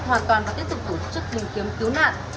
hoàn toàn và tiếp tục tổ chức tìm kiếm cứu nạn